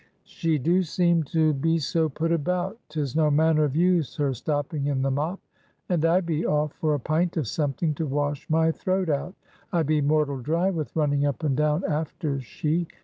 She do seem to be so put about, 'tis no manner of use her stopping in the mop. And I be off for a pint of something to wash my throat out. I be mortal dry with running up and down after she.